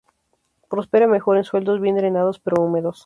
Prospera mejor en suelos bien drenados pero húmedos.